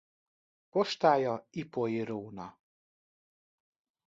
Postája Ipoly-róna.